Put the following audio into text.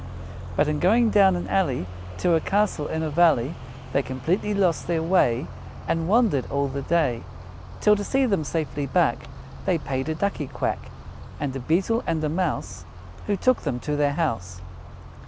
"But in going down an alley To a castle in a valley, They completely lost their way, And wandered all the day, Till, to see them safely back, They paid a Ducky Quack, And a Beetle and a Mouse, Who took them to their house.